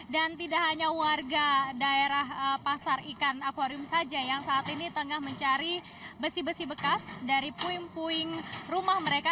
dan tidak hanya warga daerah pasar ikan akwarium saja yang saat ini tengah mencari besi besi bekas dari puing puing rumah mereka